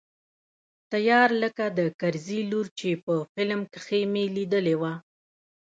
تيار لکه د کرزي لور چې په فلم کښې مې ليدلې وه.